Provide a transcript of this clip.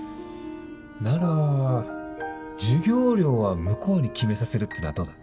なら授業料は向こうに決めさせるってのはどうだ？